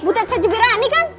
butet saja berani kan